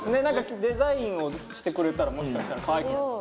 なんかデザインをしてくれたらもしかしたら可愛く。